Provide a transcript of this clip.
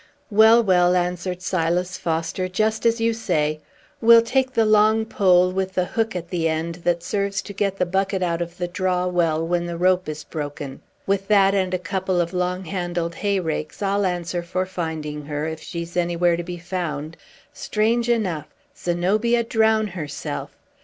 "Well, well," answered Silas Foster; "just as you say. We'll take the long pole, with the hook at the end, that serves to get the bucket out of the draw well when the rope is broken. With that, and a couple of long handled hay rakes, I'll answer for finding her, if she's anywhere to be found. Strange enough! Zenobia drown herself!